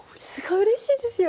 うれしいですよ。